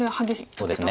そうですね。